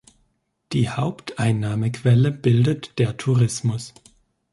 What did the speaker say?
Die Haupteinnahmequelle bildet der Tourismus.